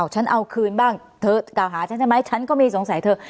ฉันเอาคืนบ้างเธอกล่าวหาฉันใช่ไหมฉันก็มีสงสัยเธอ